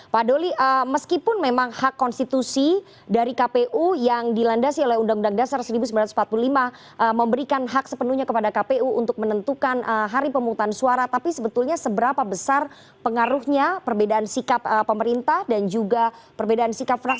pak doli meskipun memang hak konstitusi dari kpu yang dilandasi oleh undang undang dasar seribu sembilan ratus empat puluh lima memberikan hak sepenuhnya kepada kpu untuk menentukan hari pemungutan suara tapi sebetulnya seberapa besar pengaruhnya perbedaan sikap pemerintah dan juga perbedaan sikap fraksi